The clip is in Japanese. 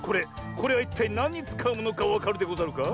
これはいったいなんにつかうものかわかるでござるか？